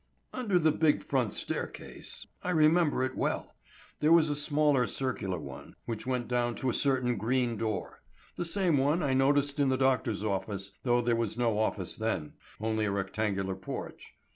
"Under the big front staircase,—I remember it well,—there was a smaller circular one, which went down to a certain green door: the same one I noticed in the doctor's office, though there was no office then,—only a rectangular porch.